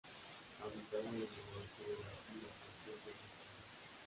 Habita desde el norte de Brasil hasta el sur de Argentina.